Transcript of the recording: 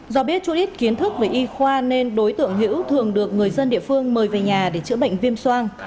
do biết chưa ít kiến thức về y khoa nên đối tượng hữu thường được người dân địa phương mời về nhà để chữa bệnh viêm soang